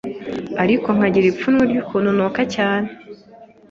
ariko nkagira ipfunwe ry’ukuntu nuka cyane,